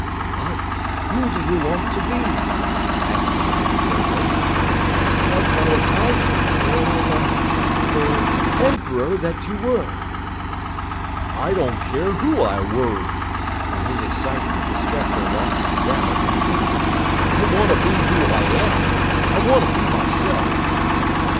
"But who do you want to be?" asked the Knight gravely. "A Scarecrow in Oz or the er Emperor that you were?" "I don't care who I were!" In his excitement, the Scarecrow lost his grammar completely. "I want to be who I am. I want to be myself."